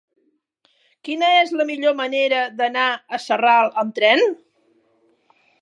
Quina és la millor manera d'anar a Sarral amb tren?